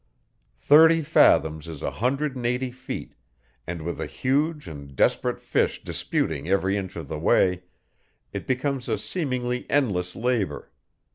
Thirty fathoms is a hundred and eighty feet, and, with a huge and desperate fish disputing every inch of the way, it becomes a seemingly endless labor.